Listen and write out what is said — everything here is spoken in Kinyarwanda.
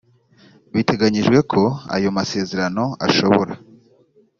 biteganyijwe ko ayo amasezerano ashobora